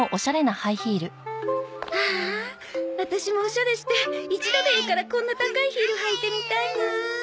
ああワタシもオシャレして一度でいいからこんな高いヒール履いてみたいなあ。